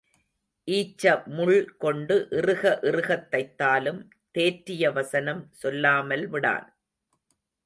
ஈச்ச முள் கொண்டு இறுக இறுகத் தைத்தாலும் தேற்றிய வசனம் சொல்லாமல் விடான்.